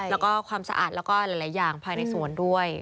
แล้วก็ความสะอาดแล้วก็หลายอย่างภายในสวนด้วย